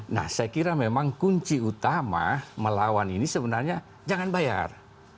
nah saya kira memang kunci utama melawan ini sebenarnya jangan bayar